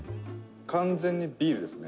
「完全にビールですね」